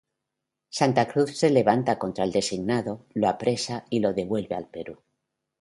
Santa Cruz se levanta contra el designado, lo apresa y lo devuelve al Perú.